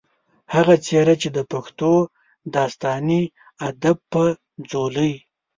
هغه څېره چې د پښتو داستاني ادب پۀ ځولۍ